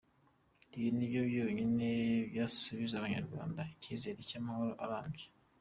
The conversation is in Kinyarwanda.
Ibi nibyo byonyine byasubiza abanyarwanda icyizere cy’amahoro arambye.